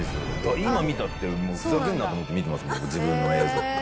今見たって、ふざけんなと思って見てますもん、自分の映像。